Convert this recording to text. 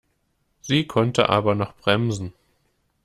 Sie konnte aber noch bremsen.